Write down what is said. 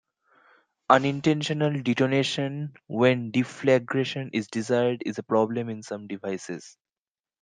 Unintentional detonation when deflagration is desired is a problem in some devices.